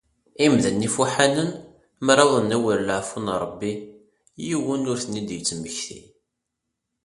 Imdanen ifuḥanen, mi ara awḍen awer leɛfu n Rebbi , yiwen ur ten-id-yettmmekti.